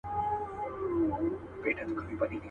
زلمي به وي، عقل به وي، مګر ایمان به نه وي.